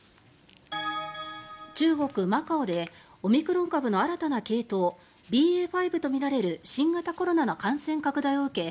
中国・マカオでオミクロン株の新たな系統ＢＡ．５とみられる新型コロナの感染拡大を受け